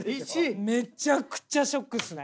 めちゃくちゃショックっすね。